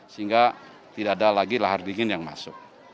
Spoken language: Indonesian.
sehingga tidak ada lagi lahar dingin yang masuk